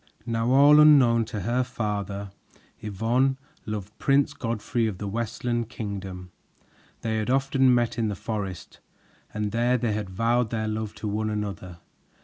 Now all unknown to her father, Yvonne, loved Prince Godfrey of the Westland Kingdom. They had often met in the forest, and there they had vowed their love to one another.